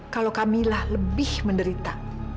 kalau kamila lebih menderita